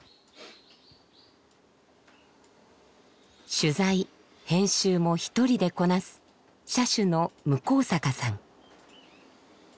取材編集も一人でこなす社主の向坂さん。